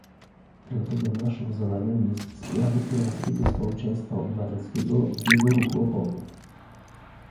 Dlatego naszym zadaniem jest wspieranie irańskiego społeczeństwa obywatelskiego w jego ruchu oporu